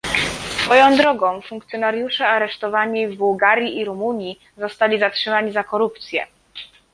Swoją drogą funkcjonariusze aresztowani w Bułgarii i Rumunii zostali zatrzymani za korupcję